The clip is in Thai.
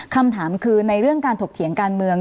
คำถามคือในเรื่องการถกเถียงการเมือง